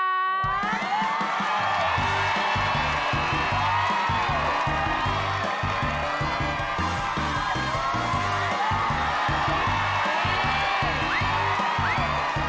สวยอ่ะสวัสดีค่ะ